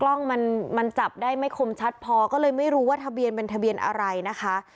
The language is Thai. กล้องมันมันจับได้ไม่คมชัดพอก็เลยไม่รู้ว่าทะเบียนเป็นทะเบียนอะไรนะคะ